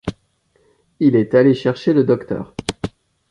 Il est allé chercher le docteur.